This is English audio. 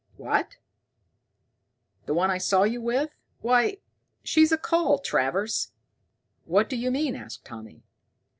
"What, the one I saw you with? Why, she's a cull, Travers." "What d'you mean?" asked Tommy.